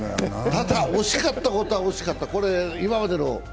ただ、惜しかったことは惜しかった。